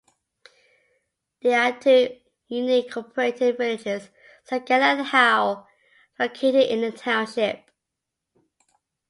There are two unincorporated villages, Sigel and Howe, located in the township.